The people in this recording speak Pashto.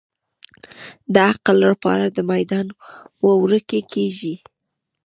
د عقل لپاره میدان وړوکی کېږي.